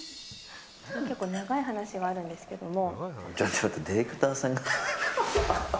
長い話があるんですけども。